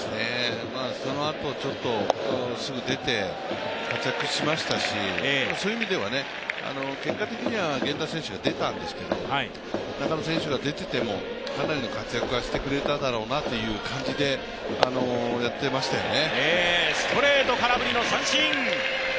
そのあとすぐ出て活躍しましたし、そういう意味では結果的には源田選手が出たんですけれども、中野選手が出ててもかなりの活躍してくれてただろうなという感じでやってましたよね。